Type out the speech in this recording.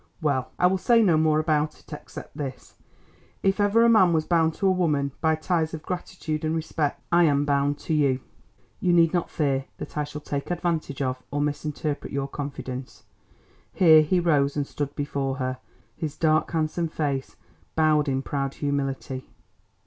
Well, I will say no more about it, except this: If ever a man was bound to a woman by ties of gratitude and respect, I am bound to you. You need not fear that I shall take advantage of or misinterpret your confidence." Here he rose and stood before her, his dark handsome face bowed in proud humility.